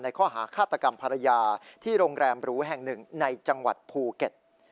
ข้อหาฆาตกรรมภรรยาที่โรงแรมหรูแห่งหนึ่งในจังหวัดภูเก็ต